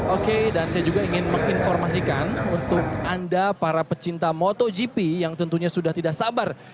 oke dan saya juga ingin menginformasikan untuk anda para pecinta motogp yang tentunya sudah tidak sabar